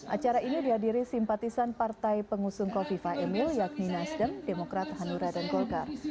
acara ini dihadiri simpatisan partai pengusung kofifa emil yakni nasdem demokrat hanura dan golkar